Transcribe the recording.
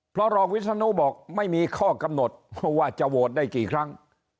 เพราะรองวิศนุบอกไม่มีข้อกำหนดว่าจะโหวตได้กี่ครั้ง